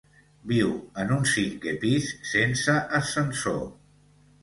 Viu en un cinquè pis sense ascensor.